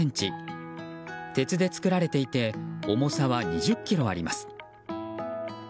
鉄で作られていて重さは２０ｋｇあります。